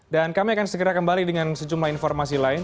dan kami akan segera kembali dengan sejumlah informasi lain